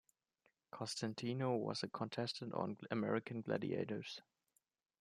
Costantino was a contestant on "American Gladiators".